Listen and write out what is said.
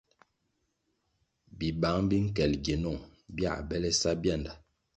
Bibang bi nkel gienung bia bele sa bianda.